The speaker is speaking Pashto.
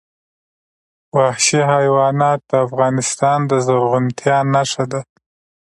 وحشي حیوانات د افغانستان د زرغونتیا نښه ده.